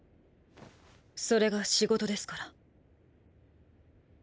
それが仕事ですから。